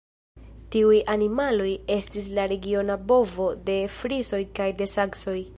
Tiuj animaloj estis la regiona bovo de frisoj kaj de saksoj.